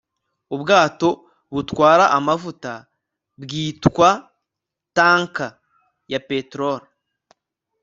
Ubwato butwara amavuta bwitwa tanker ya peteroli